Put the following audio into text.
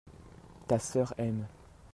ta sœur aime.